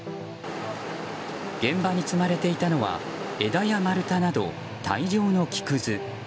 現場に積まれていたのは枝や丸太など大量の木くず。